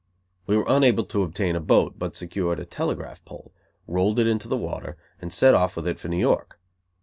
We were unable to obtain a boat, but secured a telegraph pole, rolled it into the water, and set off with it for New York.